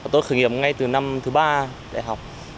tôi khởi nghiệp ngay từ năm thứ ba đại học